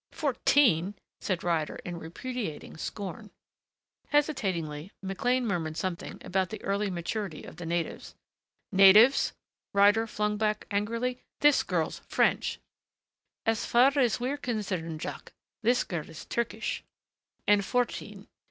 Fourteen!" said Ryder in repudiating scorn. Hesitating McLean murmured something about the early maturity of the natives. "Natives?" Ryder flung angrily back. "This girl's French!" "As far as we are concerned, Jack, this girl is Turkish and fourteen....